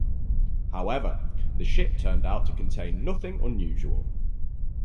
However, the ship turned out to contain nothing unusual.